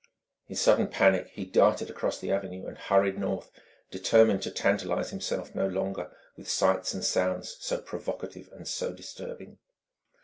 In sudden panic he darted across the avenue and hurried north, determined to tantalize himself no longer with sights and sounds so provocative and so disturbing.